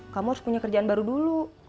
kamu harus punya kerjaan baru dulu